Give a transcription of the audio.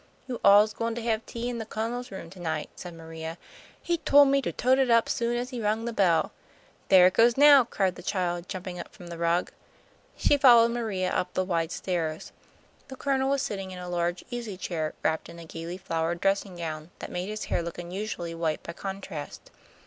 "You all's goin' to have tea in the Cun'ls room to night," said Maria. "He tole me to tote it up soon as he rung the bell." "There it goes now," cried the child, jumping up from the rug. She followed Maria up the wide stairs. The Colonel was sitting in a large easy chair, wrapped in a gaily flowered dressing gown, that made his hair look unusually white by contrast.